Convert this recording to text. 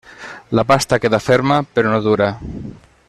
La pasta queda ferma però no dura.